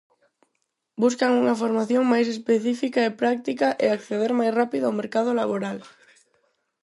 Buscan unha formación máis específica e práctica e acceder máis rápido ao mercado laboral.